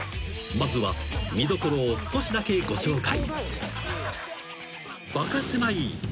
［まずは見どころを少しだけご紹介］